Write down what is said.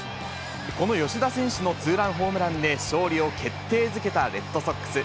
この吉田選手のツーランホームランで、勝利を決定づけたレッドソックス。